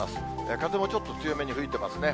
風もちょっと強めに吹いてますね。